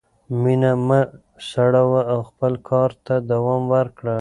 مینه مه سړوه او خپل کار ته دوام ورکړه.